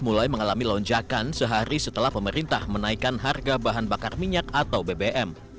mulai mengalami lonjakan sehari setelah pemerintah menaikkan harga bahan bakar minyak atau bbm